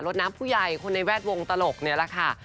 ดน้ำผู้ใหญ่คนในแวดวงตลกนี่แหละค่ะ